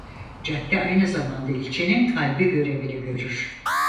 Cadde aynı zamanda ilçenin kalbi görevini görür.